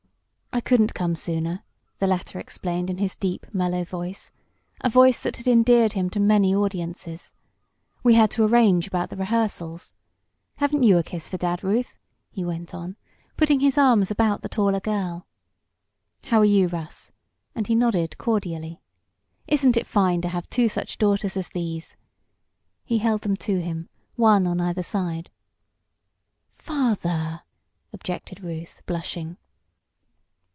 "I couldn't come sooner," the latter explained in his deep, mellow voice a voice that had endeared him to many audiences. "We had to arrange about the rehearsals. Haven't you a kiss for dad, Ruth" he went on, putting his arms about the taller girl. "How are you, Russ?" and he nodded cordially. "Isn't it fine to have two such daughters as these?" He held them to him one on either side. "Father!" objected Ruth, blushing.